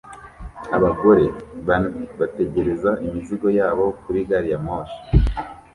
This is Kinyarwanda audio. Abagore bane bategereza imizigo yabo kuri gari ya moshi